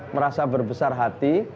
merasa berbesar hati